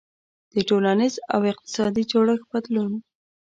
• د ټولنیز او اقتصادي جوړښت بدلون.